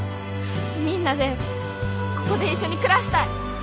みんなでここで一緒に暮らしたい！